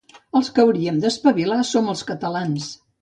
Els que hauríem d'espavilar som els catalans